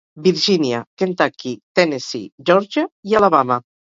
Virgínia, Kentucky, Tennessee, Geòrgia i Alabama.